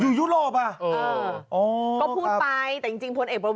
อยู่ยุโรปอ่ะ